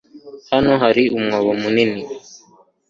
Hano hari umwobo mu nini